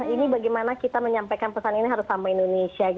ini bagaimana kita menyampaikan pesan ini harus sama indonesia